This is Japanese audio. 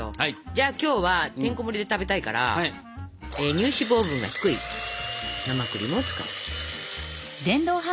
じゃあ今日はてんこもりで食べたいから乳脂肪分が低い生クリームを使います。